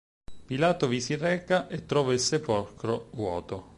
Pilato vi si reca e trova il sepolcro vuoto.